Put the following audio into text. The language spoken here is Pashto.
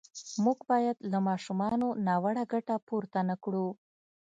موږ باید له ماشومانو ناوړه ګټه پورته نه کړو.